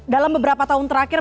dalam beberapa tahun terakhir